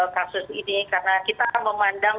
kasus ini karena kita memandang